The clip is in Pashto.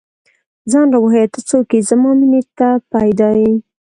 ځان راوښیه، ته څوک ئې؟ زما مینې ته پيدا ې